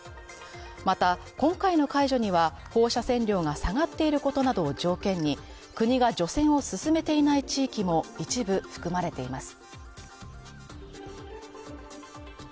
また、今回の解除には放射線量が下がっていることなどを条件に、国が除染を進めていない地域も一部含まれています。